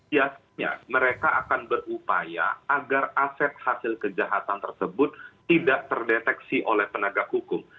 biasanya mereka akan berupaya agar aset hasil kejahatan tersebut tidak terdeteksi oleh penegak hukum